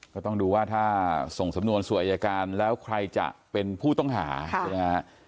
ก็ต้องดูว่าถ้าส่งสำนวนสู่อายการแล้วใครจะเป็นผู้ต้องหาใช่ไหมฮะ